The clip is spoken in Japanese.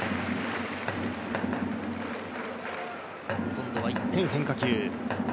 今度は一転、変化球。